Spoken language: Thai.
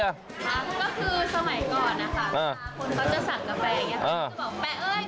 ก็คือสมัยก่อนนะคะตอนจะสั่งกาแฟอย่างนี้